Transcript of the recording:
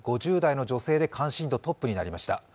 ５０代の女性で関心度トップとなりました。